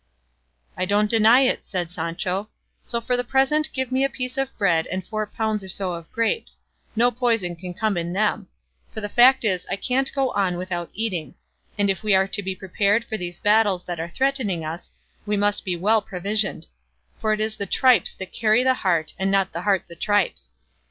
'" "I don't deny it," said Sancho; "so for the present give me a piece of bread and four pounds or so of grapes; no poison can come in them; for the fact is I can't go on without eating; and if we are to be prepared for these battles that are threatening us we must be well provisioned; for it is the tripes that carry the heart and not the heart the tripes.